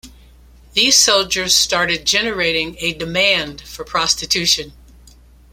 These soldiers started generating a demand for prostitution.